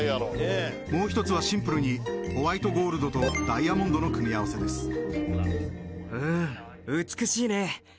もう一つはシンプルにホワイトゴールドとダイヤモンドの組み合わせです